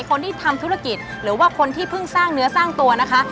คนที่ทำธุรกิจหรือว่าคนที่เพิ่งสร้างเนื้อสร้างตัวนะคะ